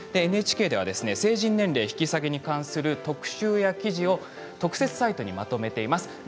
ＮＨＫでは成人年齢引き下げに関する特集や記事を特設サイトにまとめています。